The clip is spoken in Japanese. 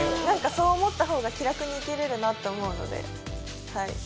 そう思った方が気楽に生きられるなと思って、はい。